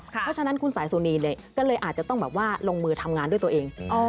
เพราะฉะนั้นคุณสายสุนีก็เลยอาจจะต้องแบบว่าลงมือทำงานด้วยตัวเอง